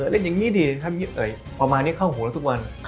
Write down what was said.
เล่นอย่างนี้ดีครับประมาณนี้เข้าหัวเราทุกวัน